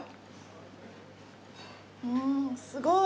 うーんすごい！